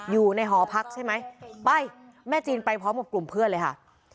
หอพักใช่ไหมไปแม่จีนไปพร้อมกับกลุ่มเพื่อนเลยค่ะ